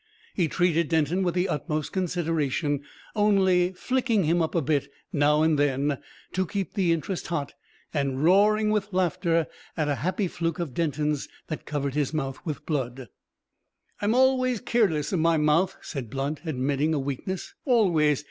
He treated Denton with the utmost consideration, only "flicking him up a bit" now and then, to keep the interest hot, and roaring with laughter at a happy fluke of Denton's that covered his mouth with blood. "I'm always keerless of my mouth," said Blunt, admitting a weakness. "Always.